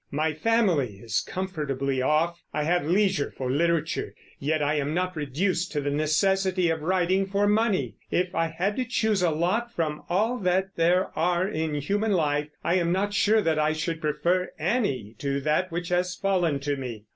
My family is comfortably off. I have leisure for literature, yet I am not reduced to the necessity of writing for money. If I had to choose a lot from all that there are in human life, I am not sure that I should prefer any to that which has fallen to me.